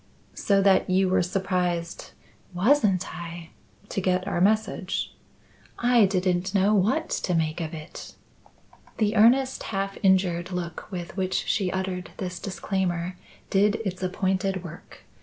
"So that you were surprised " "Wasn't I!" "To get our message." "I didn't know what to make of it." The earnest, half injured look with which she uttered this disclaimer, did its appointed work.